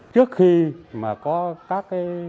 trước khi mà có các